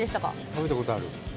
食べたことある。